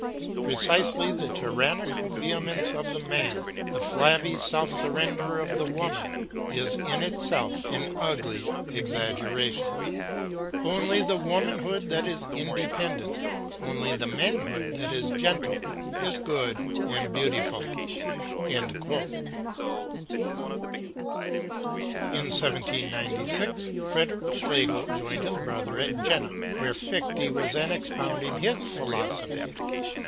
"Precisely the tyrannical vehemence of the man, the flabby self surrender of the woman, is in itself an ugly exaggeration." "Only the womanhood that is independent, only the manhood that is gentle, is good and beautiful." In 1796 Friedrich Schlegel joined his brother at Jena, where Fichte was then expounding his philosophy.